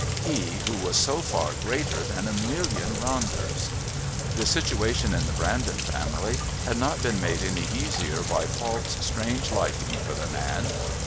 He who was so far greater than a million Ronders! The situation in the Brandon family had not been made any easier by Falk's strange liking for the man.